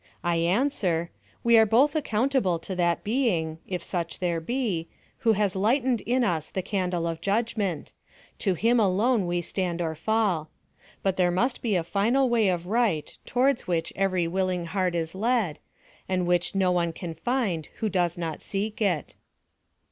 I answer, "We are both accountable to that being, if such there be, who has lighted in us the candle of judgment. To him alone we stand or fall. But there must be a final way of right, towards which every willing heart is led, and which no one can find who does not seek it."